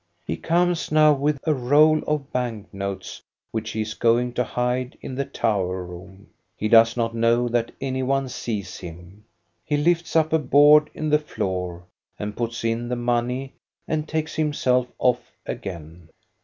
He comes now with a roll of bank notes which he is going to hide in the tower room. He does not know that any one sees him. He lifts up a board in the floor and puts in the money and takes himself off again.